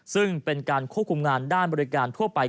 ซึ่งเป็นการควบคุมงานด้านบริการทั่วไป